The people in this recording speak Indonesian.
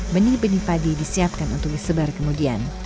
benih benih padi disiapkan untuk disebar kemudian